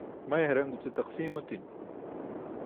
may haraṅ guce taqsiim otin